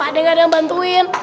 ada yang bantuin